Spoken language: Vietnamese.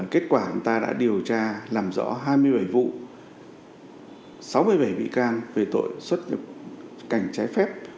kết quả chúng ta đã điều tra làm rõ hai mươi bảy vụ sáu mươi bảy bị can về tội xuất nhập cảnh trái phép